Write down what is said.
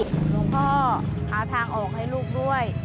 หลวงพ่อหาทางออกให้ลูกด้วย